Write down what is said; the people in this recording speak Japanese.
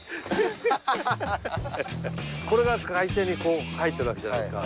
これが海底にこう生えてるわけじゃないですか。